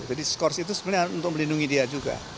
jadi skors itu sebenarnya untuk melindungi dia juga